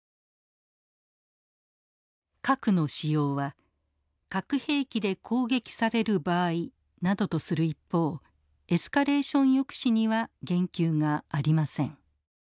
核の使用は核兵器で攻撃される場合などとする一方エスカレーション抑止には言及がありません。